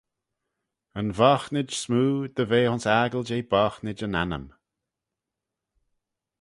"Yn voghtnid smoo; dy ve ayns aggle jeh boghtnid yn annym."